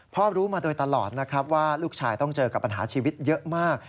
รู้มาโดยตลอดนะครับว่าลูกชายต้องเจอกับปัญหาชีวิตเยอะมาก